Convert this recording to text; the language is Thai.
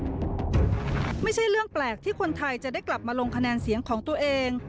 ไม่ใช่เรื่องแปลกที่คนไทยจะได้กลับมาลงคะแนนเสียงของตัวเอง